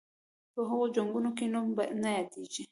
په هغو جنګونو کې نوم نه یادیږي.